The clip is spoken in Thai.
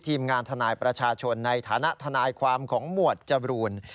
ทีมงานทนายประชาชนในฐานะทนายความของหมวดจบรูน